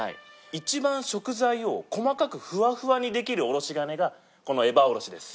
一番食材を細かくふわふわにできるおろし金がこのエバーおろしです。